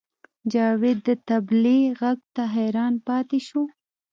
جاوید د طبلې غږ ته حیران پاتې شو